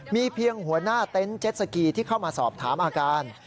มีเพียงหัวหน้าเต็นต์เจ็ดสกีที่เข้ามาสอบถามอาการ